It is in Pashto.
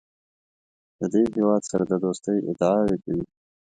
د دې هېواد سره د دوستۍ ادعاوې کوي.